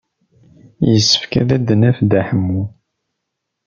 Yessefk ad d-naf Dda Ḥemmu.